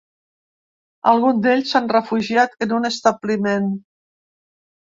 Alguns d’ells s’han refugiat en un establiment.